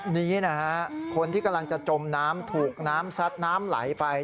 นี้นะฮะคนที่กำลังจะจมน้ำถูกน้ำซัดน้ำไหลไป